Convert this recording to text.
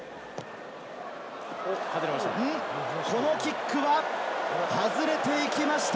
このキックは外れていきました。